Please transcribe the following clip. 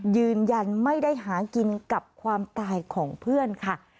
ยืนยันไม่ได้หากินกับความตายของเพื่อนค่ะ